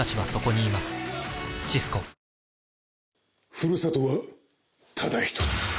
ふるさとはただ１つ。